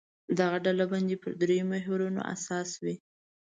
دغه ډلبندي پر درېیو محورونو اساس وي.